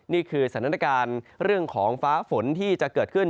นี่คือสถานการณ์เรื่องของฟ้าฝนที่จะเกิดขึ้น